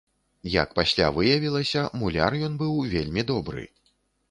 Як пасля выявілася, муляр ён быў вельмі добры.